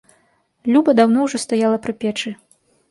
Люба даўно ўжо стаяла пры печы.